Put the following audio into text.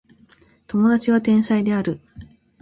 友達は天才である